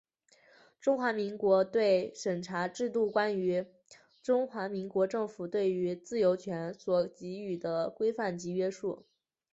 中华民国审查制度是关于中华民国政府对于自由权所给予的规范及约束。